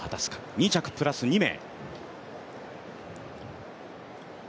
２着プラス２名。